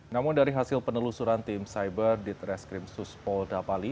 namun dari hasil penelusuran tim cyber di treskrimsus polda bali